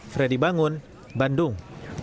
freddy bangun bandung